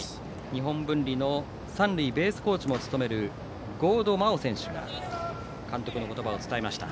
日本文理の三塁ベースコーチも務める郷戸真旺選手が監督の言葉を伝えました。